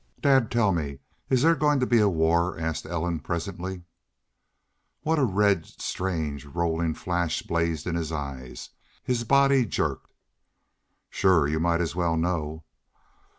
"Dad, tell me, is there goin' to be a war?" asked Ellen, presently. What a red, strange, rolling flash blazed in his eyes! His body jerked. "Shore. You might as well know."